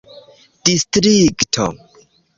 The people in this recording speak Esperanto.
distrikto